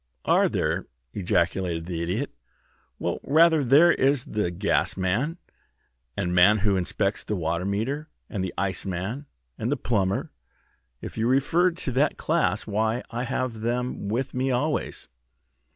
"Are there!" ejaculated the Idiot. "Well, rather. There is the Gasman, and man who inspects the water meter, and the Iceman, and the Plumber. If you refer to that class, why, I have them with me always."